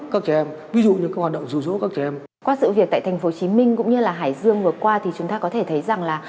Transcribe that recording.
các sự việc tại thành phố hồ chí minh cũng như là hải dương vừa qua thì chúng ta có thể thấy rằng là